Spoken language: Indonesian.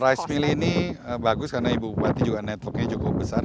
kalau rice mill ini bagus karena ibu bupati juga networknya cukup besar